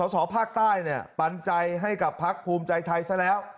สอภาคใต้ปันใจให้กับพักภูมิใจไทยซะแล้ว